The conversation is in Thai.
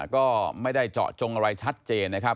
ก็ไม่ได้เจาะจงอะไรชัดเจนนะครับ